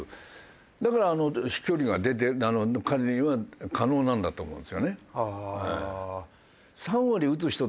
だから飛距離が出て彼には可能なんだと思うんですよね。